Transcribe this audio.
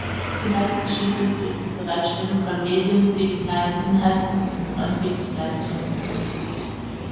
Zumeist geschieht dies durch die Bereitstellung von Medien, digitalen Inhalten und Dienstleistungen.